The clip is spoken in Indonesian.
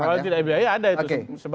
kalau tidak biaya ada itu